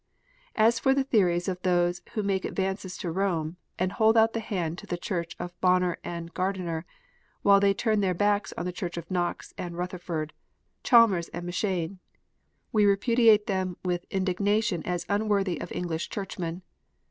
As for the theories of those who make advances to Rome, and hold out the hand to the Church of Bonner and Gardiner, while they turn their backs on the Church of Knox and Rutherford, Chalmers and M Cheyne, we repudiate them with indignation as unworthy of English Churchmen.